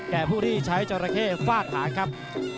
แก่ผู้ที่ใช้เจ้าระเข้ฟาดหาครับ